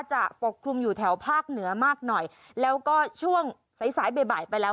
ปกคลุมอยู่แถวภาคเหนือมากหน่อยแล้วก็ช่วงสายสายบ่ายบ่ายไปแล้ว